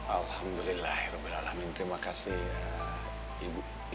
alhamdulillah ya rabbi alhamdulillah terima kasih ibu